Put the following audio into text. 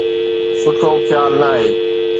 سٺو خيال ناهي.